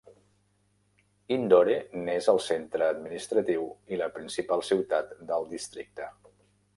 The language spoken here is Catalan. Indore n'és el centre administratiu i la principal ciutat del districte.